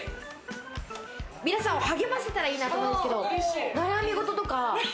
皆さんを励ませたらいいなと思うんですけど、悩み事とか。